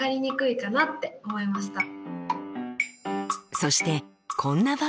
そしてこんな場面も。